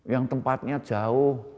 yang tempatnya jauh